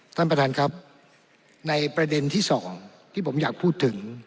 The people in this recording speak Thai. ท่านประธานครับในประเด็นที่สองที่ผมอยากพูดถึง